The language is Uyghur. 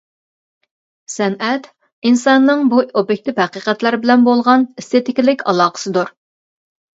سەنئەت ئىنساننىڭ بۇ ئوبيېكتىپ ھەقىقەتلەر بىلەن بولغان ئېستېتىكىلىق ئالاقىسىدۇر.